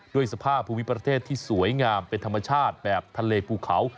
ด้วยสภาพภูมิประเทศที่สวยงามเป็นธรรมชาติแบบทะเลภูเขา